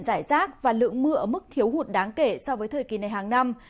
giải rác và lượng mưa ở mức thiếu hụt đáng kể so với thời kỳ này hàng năm